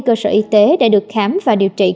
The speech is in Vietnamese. cơ sở y tế đã được khám và điều trị